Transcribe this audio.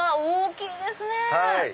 大きいですね。